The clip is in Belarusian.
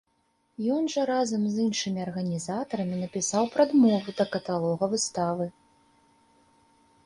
Ён жа разам з іншымі арганізатарамі напісаў прадмову да каталога выставы.